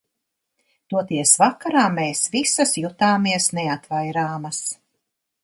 Toties vakarā mēs visas jutāmies neatvairāmas!